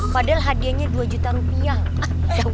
padahal hadiahnya dua juta rupiah